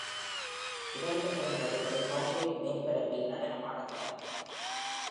இரண்டு பெண்கள் ஒரு கான்கிரீட் மேற்பரப்பில் நடனமாடுகிறார்கள்.